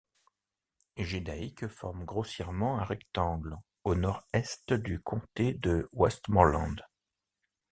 Gédaïque forme grossièrement un rectangle au nord-est du comté de Westmorland.